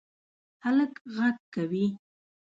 هلک غږ کوی